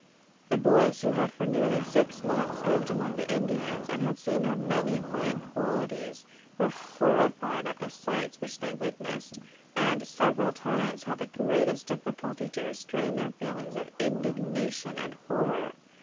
The boys, who had for nearly six months lived among the Indians, and had seen their many fine qualities, were horrified at the sights which they witnessed; and, several times, had the greatest difficulty to restrain their feelings of indignation and horror.